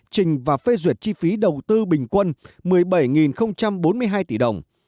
trình và phê duyệt chi phí đầu tư bình quân một mươi bảy bốn mươi hai tỷ đồng